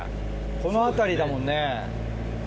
この辺りだもんね。